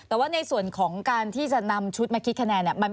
แต่ว่าในส่วนของการที่จะนำชุดมาคิดคะแนนเนี่ย